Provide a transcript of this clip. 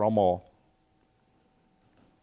คณะรัฐมนตรีพอได้รับเรื่องแล้ว